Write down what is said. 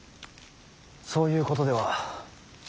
そういうことでは。